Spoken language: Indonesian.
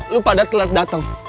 lo pada telat dateng